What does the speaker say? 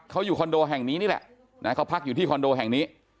เขาอยู่คอนโดแห่งนี้นี่แหละนะเขาพักอยู่ที่คอนโดแห่งนี้